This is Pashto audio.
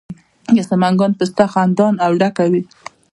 د سمنګان پسته خندان او ډکه وي.